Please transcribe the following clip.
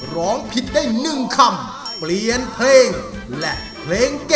ร้องผิดได้หนึ่งคำเปลี่ยนเพลงและเพลงเก่งของคุณ